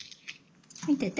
見てて。